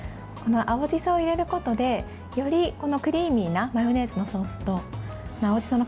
青じそを入れることでよりクリーミーなマヨネーズのソースと青じ